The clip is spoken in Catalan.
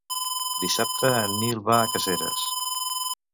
Dissabte en Nil va a Caseres.